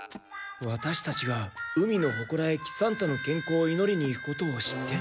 ワタシたちが海のほこらへ喜三太の健康を祈りに行くことを知って？